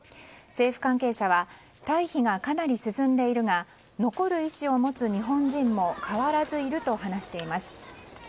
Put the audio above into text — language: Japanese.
政府関係者は退避がかなり進んでいるが残る意思を持つ日本人も変わらずいると話しています。